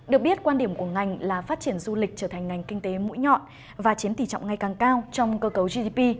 được biết quan điểm của ngành là phát triển du lịch trở thành ngành kinh tế mũi nhọn và chiến tỷ trọng ngày càng cao trong cơ cấu gdp